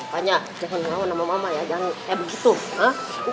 makanya jangan lawan sama mama ya jangan kayak begitu